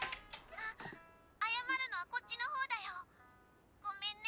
「あ謝るのはこっちの方だよ。ごめんね」。